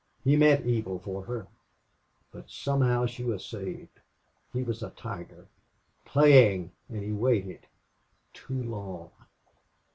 He meant evil for her. But somehow she was saved. He was a tiger playing and he waited too long.